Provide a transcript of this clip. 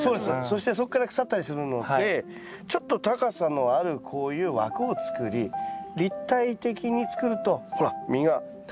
そしてそこから腐ったりするのでちょっと高さのあるこういう枠を作り立体的に作るとほら実が垂れていくんですよ。